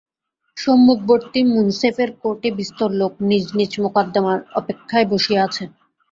সম্মুখবর্তী মুন্সেফের কোর্টে বিস্তর লোক নিজ নিজ মোকদ্দমার অপেক্ষায় বসিয়া আছে।